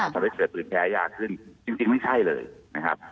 ทำให้เกิดปืนแพ้ยาขึ้นจริงไม่ใช่เลยนะครับ